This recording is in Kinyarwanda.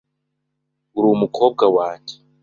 Uri umukobwa wanjye